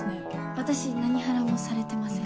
私何ハラもされてません。